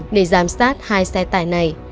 để giám sát hai xe tải này